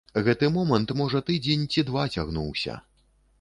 Гэты момант, можа, тыдзень ці два цягнуўся.